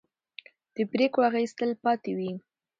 د پرېکړو اغېز تل پاتې وي